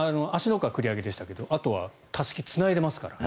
湖は繰り上げでしたけどあとはたすき、つないでますからね。